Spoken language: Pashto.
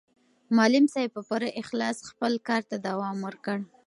معلم صاحب په پوره اخلاص خپل کار ته دوام ورکړ.